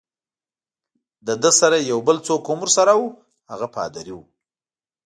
له ده سره یو بل څوک هم ورسره وو، هغه پادري وو.